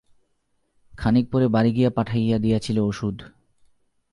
খানিক পরে বাড়ি গিয়া পাঠাইয়া দিয়াছিল ওষুধ।